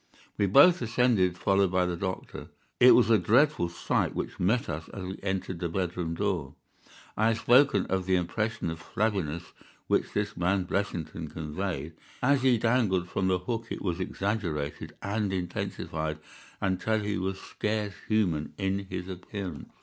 We both ascended, followed by the doctor. It was a dreadful sight which met us as we entered the bedroom door. I have spoken of the impression of flabbiness which this man Blessington conveyed. As he dangled from the hook it was exaggerated and intensified until he was scarce human in his appearance.